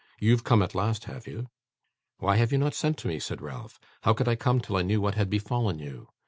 You've come at last, have you?' 'Why have you not sent to me?' said Ralph. 'How could I come till I knew what had befallen you?